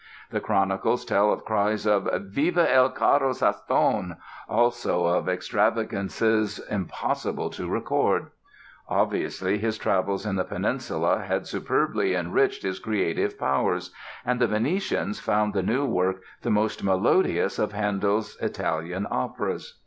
The chronicles tell of cries of "Viva il caro Sassone", also of "extravagances impossible to record." Obviously his travels in the peninsula had superbly enriched his creative powers and the Venetians found the new work "the most melodious of Handel's Italian operas."